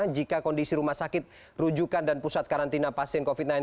jika kondisi rumah sakit rujukan dan pusat karantina pasien covid sembilan belas